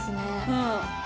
うん。